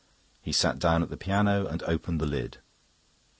He sat down at the piano and opened the lid.